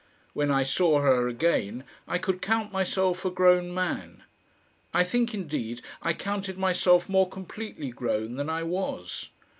When I saw her again, I could count myself a grown man. I think, indeed, I counted myself more completely grown than I was.